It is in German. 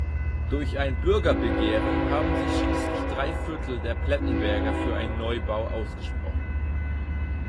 Durch ein Bürgerbegehren haben sich schließlich drei Viertel der Plettenberger für einen Neubau ausgesprochen.